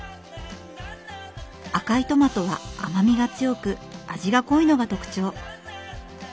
赤いトマトは甘みが強く味が濃いのが特長。